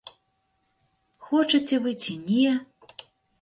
Хочаце вы ці не?